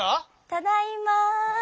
ただいま。